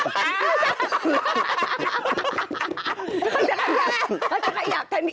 เขาจะขัยหยาดทางนี้